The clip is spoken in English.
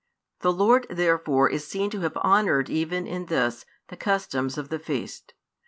The Lord therefore is seen to have honoured even in this the customs of the feast.